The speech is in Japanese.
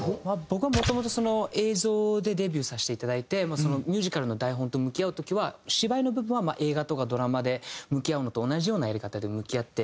僕はもともと映像でデビューさせていただいてミュージカルの台本と向き合う時は芝居の部分は映画とかドラマで向き合うのと同じようなやり方で向き合って。